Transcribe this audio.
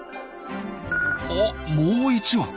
あもう１羽。